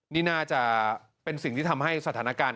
นี่น่าจะเป็นสิ่งที่ทำให้สถานการณ์